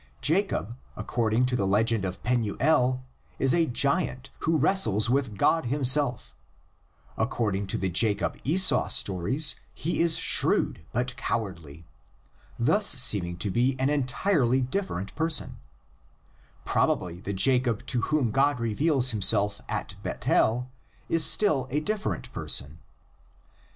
Jacob, according to the legend of Penuel, is a giant who wrestles with God himself; according to the Jacob Esau stories he is shrewd but cowardly, thus seeming to be an entirely different person; probably the Jacob to 98 THE LEGENDS OF GENESIS. whom God reveals himself at Bethel is still a differ ent person.